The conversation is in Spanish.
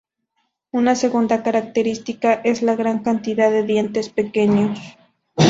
Una segunda característica es la gran cantidad de dientes pequeños.